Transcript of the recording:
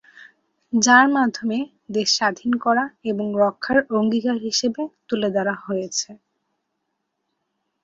যার মাধ্যমে দেশ স্বাধীন করা এবং রক্ষার অঙ্গীকার হিসেবে তুলে ধরা হয়েছে।